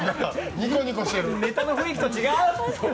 ネタの雰囲気と違う。